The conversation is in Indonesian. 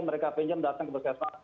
mereka pinjam datang ke puskesmas